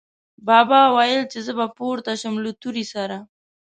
بابا ویل، چې زه به پورته شم له تورې سره